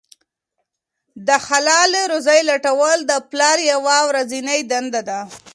د حلاله روزۍ لټول د پلار یوه ورځنۍ دنده ده.